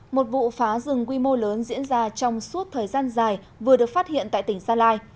một vụ phá rừng quy mô lớn diễn ra trong suốt thời gian dài vừa được phát hiện tại tỉnh gia lai